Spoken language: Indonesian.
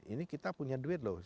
ini kita punya duit loh